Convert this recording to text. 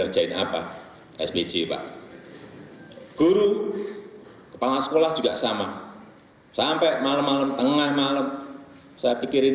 enam belas laporan ada yang empat puluh empat laporan